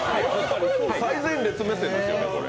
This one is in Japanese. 最前列目線ですよね、これ。